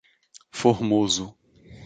Formoso